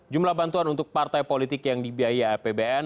jumlah bantuan untuk partai politik yang dibiaya apbn